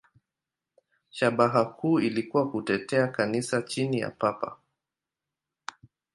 Shabaha kuu ilikuwa kutetea Kanisa chini ya Papa.